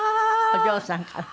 お嬢さんから。